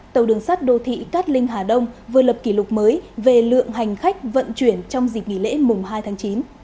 tàu đường sát đô thị cát linh hà đông vừa lập kỷ lục mới về lượng hành khách vận chuyển trong dịp nghỉ lễ mùng hai tháng chín